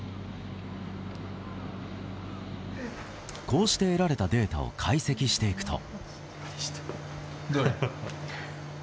こうして得られたデータを解析していくと。